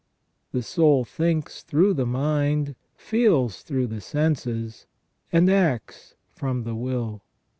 The soul thinks through the mind, feels through the senses, and acts from the will.